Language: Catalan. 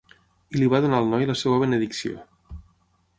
I li va donar al noi la seva benedicció.